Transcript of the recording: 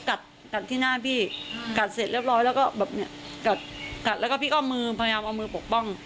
กัดเสร็จเรียบร้อยแล้วก็แบบเนี้ยกัดแล้วก็พี่ก็มือพยายามเอามือปกป้อง